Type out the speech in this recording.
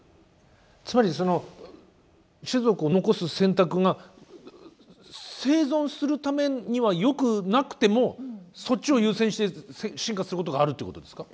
つまりその種族を残す選択が生存するためにはよくなくてもそっちを優先して進化することがあるってことですか？